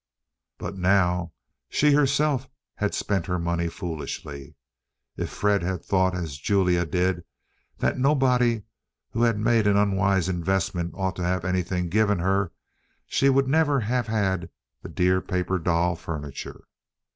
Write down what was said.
But now she herself had spent her money foolishly. If Fred had thought as Julia did, that nobody who had made an unwise investment ought to have anything given her, she would never have had the dear paper doll furniture.